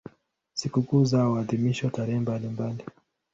Sikukuu zao huadhimishwa tarehe mbalimbali.